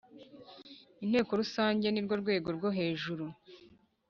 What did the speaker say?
Inteko rusange ni rwo rwego rwo hejuru